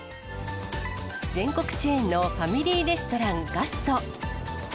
全国チェーンのファミリーレストラン、ガスト。